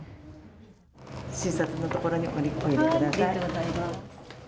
診察のところにおいでください。